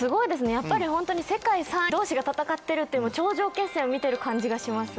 やっぱりホントに世界３位同士が戦ってるって頂上決戦見てる感じがします。